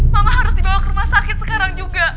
mama harus dibawa ke rumah sakit sekarang juga